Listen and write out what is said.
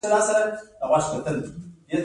د هر هیواد خلک هلته کار کوي.